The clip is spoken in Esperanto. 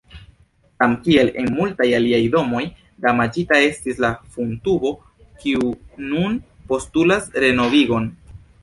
Samkiel en multaj aliaj domoj, damaĝita estis la fumtubo, kiu nun postulas renovigon.